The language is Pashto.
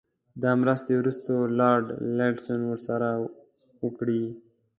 دا مرستې وروسته لارډ لارنس ورسره وکړې.